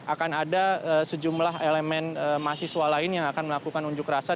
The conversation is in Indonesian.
akan ada sejumlah elemen mahasiswa lain yang akan melakukan unjuk rasa